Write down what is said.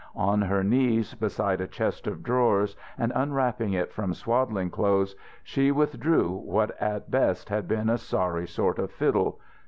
On her knees beside a chest of drawers, and unwrapping it from swaddling clothes, she withdrew what at best had been a sorry sort of fiddle.